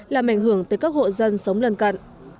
làm ảnh hưởng tới các hộ dân sống lân cận